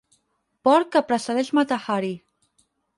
Porc que precedeix Mata-Hari.